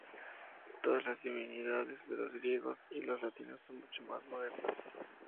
Todas las divinidades de los griegos y latinos son mucho más modernas.